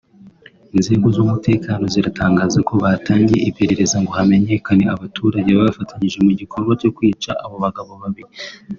Inzego z’umutekano ziratangaza ko batangiye iperereza ngo hamenyekane abaturage bafatanyije mu gikorwa cyo kwica abo bagabo babiri